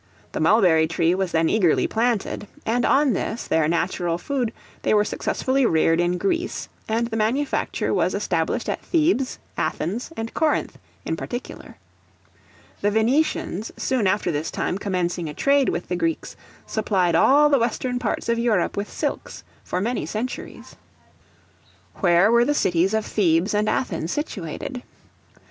The mulberry tree was then eagerly planted, and on this, their natural food, they were successfully reared in Greece; and the manufacture was established at Thebes, Athens, and Corinth, in particular. The Venetians, soon after this time commencing a trade with the Greeks, supplied all the Western parts of Europe with silks for many centuries. Where were the cities of Thebes and Athens situated?